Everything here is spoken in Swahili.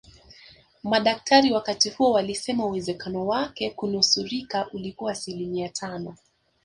Madaktari wakati huo walisema uwezekano wake kunusurika ulikuwa asilimia tano